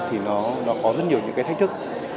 thì nó có rất nhiều những cái thách thức